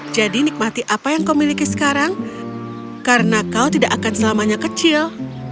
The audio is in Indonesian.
jadi nikmati apa yang kau miliki sekarang karena kau tidak akan selamanya kecil